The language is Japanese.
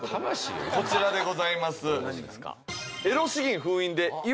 こちらでございます。